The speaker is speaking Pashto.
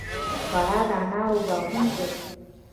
فراه د انارو باغونه لري